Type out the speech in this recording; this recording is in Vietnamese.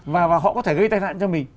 và họ có thể gây tai nạn cho mình